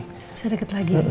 bisa deket lagi